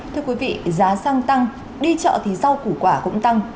thưa quý vị giá xăng tăng đi chợ thì rau củ quả cũng tăng